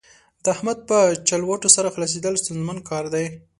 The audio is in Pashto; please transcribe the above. د احمد په چلوټو سر خلاصېدل ستونزمن کار دی.